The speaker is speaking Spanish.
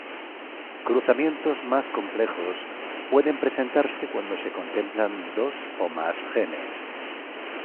Cruzamientos más complejos pueden presentarse cuando se contemplan dos o más genes.